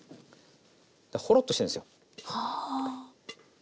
ほろっとしてんですよ。